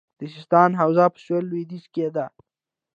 د سیستان حوزه په سویل لویدیځ کې ده